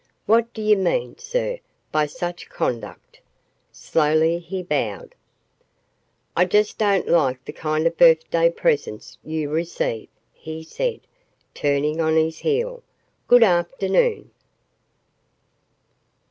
"What do you mean, sir, by such conduct?" Slowly he bowed. "I just don't like the kind of birthday presents you receive," he said, turning on his heel. "Good afternoon."